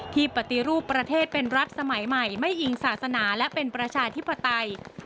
ปฏิรูปประเทศเป็นรัฐสมัยใหม่ไม่อิงศาสนาและเป็นประชาธิปไตย